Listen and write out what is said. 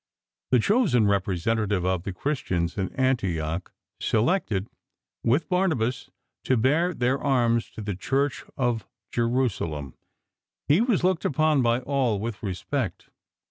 The chosen representative of the Christians in Antioch, selected with 3 34 LIFE OF ST. PAUL Barnabas to bear their alms to the Church at JeiusaJem he was looked upon by all with espect.